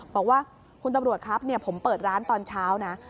บอกว่าคุณตำรวจครับผมเปิดร้านตอนเช้านะ